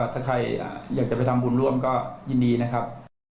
ถ้าใครอยากจะไปทำบุญร่วมก็ยินดีนะครับ